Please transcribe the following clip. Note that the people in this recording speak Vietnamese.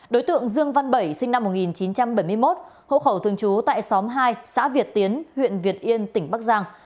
đối tượng dương văn bảy sinh năm một nghìn chín trăm bảy mươi một hộ khẩu thường trú tại xóm hai xã việt tiến huyện việt yên tỉnh bắc giang